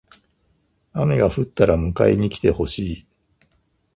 雨が降ったら迎えに来てほしい。